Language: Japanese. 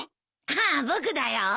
ああ僕だよ。